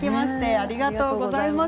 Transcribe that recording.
ありがとうございます。